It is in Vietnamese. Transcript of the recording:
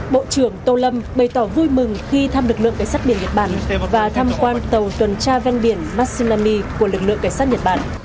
bộ trưởng tô lâm bày tỏ vui mừng khi thăm lực lượng cảnh sát biển nhật bản và tham quan tàu tuần tra ven biển massinami của lực lượng cảnh sát nhật bản